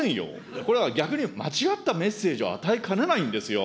これは逆に間違ったメッセージを与えかねないんですよ。